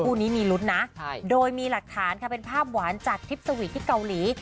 คู่นี้มีลุ้นนะโดยมีหลักฐานค่ะเป็นภาพหวานจากทริปสวีทที่เกาหลี